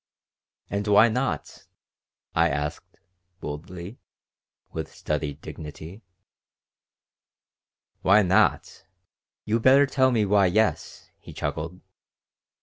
"And why not?" I asked, boldly, with studied dignity "Why not! You better tell me why yes," he chuckled.